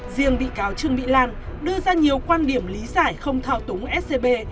riêng bị cáo trương mỹ lan đưa ra nhiều quan điểm lý giải không thao túng scb